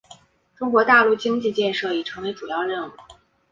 中国大陆经济建设已成为主要任务。